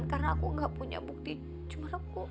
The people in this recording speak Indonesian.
karena aku gak punya bukti cuma aku